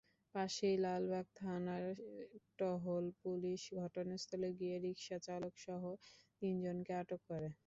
পাশেই লালবাগ থানার টহল পুলিশ ঘটনাস্থলে গিয়ে রিকশাচালকসহ তিনজনকে আটক করে।